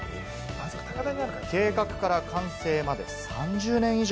計画から完成まで３０年以上。